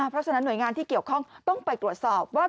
เพราะฉะนั้นหน่วยงานที่เกี่ยวข้องต้องไปตรวจสอบว่า